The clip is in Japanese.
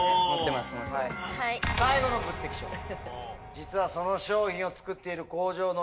実は。